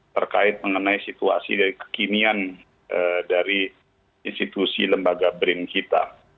terkait mengenai situasi dari kekinian dari institusi lembaga brin kita